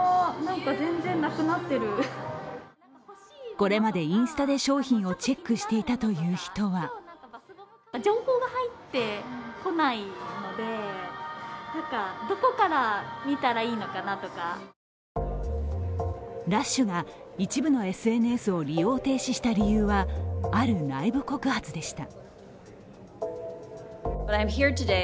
これまでインスタで商品をチェックしていたという人はＬＵＳＨが一部のＳＮＳを利用停止した理由はある内部告発でした。